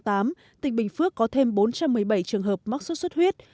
tỉnh bình phước có thêm bốn trăm một mươi bảy trường hợp mắc sốt xuất huyết